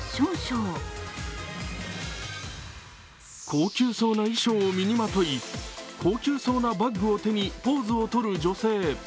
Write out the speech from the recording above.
高級そうな衣装を身にまとい高級そうなバッグを手にポーズをとる女性。